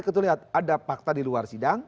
kita lihat ada fakta di luar sidang